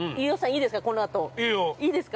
◆いいですか？